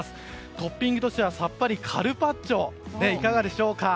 トッピングとしてはさっぱりカルパッチョはいかがでしょうか。